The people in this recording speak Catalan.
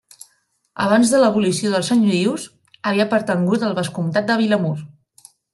Abans de l'abolició dels senyorius, havia pertangut al Vescomtat de Vilamur.